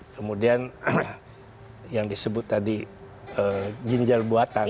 kemudian yang disebut tadi ginjal buatan